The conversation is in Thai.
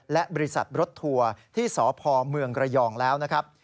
และบริษัทรถทัวร์ที่สพเมืองระยองแล้วนะครับ